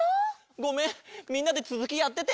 ごめんみんなでつづきやってて。